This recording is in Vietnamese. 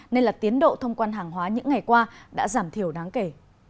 nên là tiến độ thông quan hàng hóa những ngày qua đã giảm thiểu đáng kể